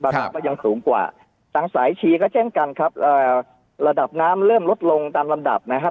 น้ำก็ยังสูงกว่าทางสายชีก็เช่นกันครับเอ่อระดับน้ำเริ่มลดลงตามลำดับนะฮะ